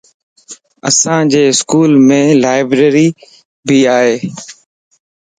اسان جي اسڪولم لائبريري ڀي ائي